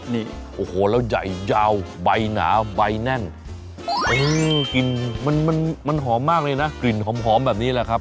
นี่โอ้โหแล้วใหญ่ยาวใบหนาใบแน่นกลิ่นมันมันหอมมากเลยนะกลิ่นหอมแบบนี้แหละครับ